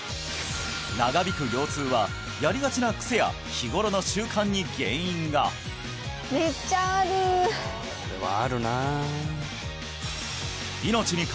長引く腰痛はやりがちな癖や日頃の習慣に原因がとは？